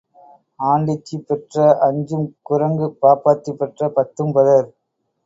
ஆண்டிச்சி பெற்ற அஞ்சும் குரங்கு பாப்பாத்தி பெற்ற பத்தும் பதர்.